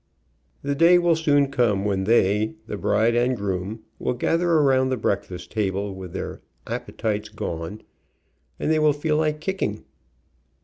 The day will soon come when they, Lhe bride and groom, j6 THE COUNTRY'S BRIDE AND GROOM will gather around the breakfast table, with their ap petites gone, and they will feel like kicking.